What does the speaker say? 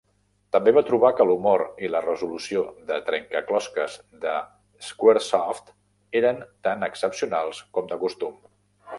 També va trobar que l'humor i la resolució de trencaclosques de Squaresoft eren tan excepcionals com de costum.